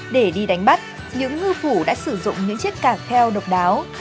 để đi đánh bắt những ngư phủ đã sử dụng những chiếc cà kheo độc đáo